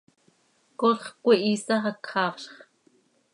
Colx cömihiisax hac xaafzx.